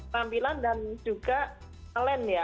rampilan dan juga talent ya